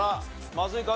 まずいか？